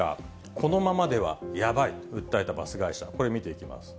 このままではヤバい、訴えたバス会社、これ、見ていきます。